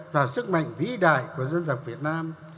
và sức mạnh vĩ đại của dân tộc việt nam